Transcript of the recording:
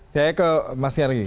saya ke mas yergi